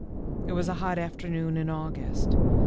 It was a hot afternoon in August.